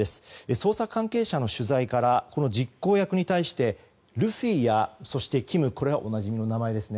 捜査関係者への取材から実行役に対して、ルフィやそしてキムというおなじみの名前ですね。